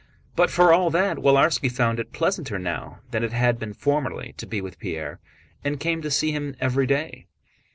But for all that Willarski found it pleasanter now than it had been formerly to be with Pierre, and came to see him every day.